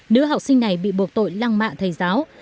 nữ học sinh này bị buộc tội lăng mạ thầy giáo